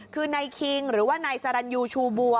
คือนายคิงหรือว่านายสรรยูชูบัว